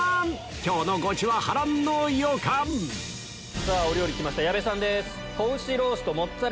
今日のゴチは波乱の予感お料理来ました矢部さんです。